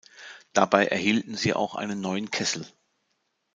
Dabei erhielten sie auch einen neuen Kessel.